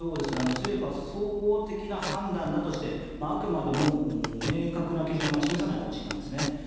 政府は総合的な判断だとしてあくまでも明確な基準は示さない方針です。